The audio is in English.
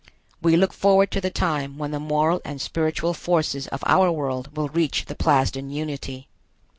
We look forward to the time when the moral and spiritual forces of our world will reach the Plasden unity.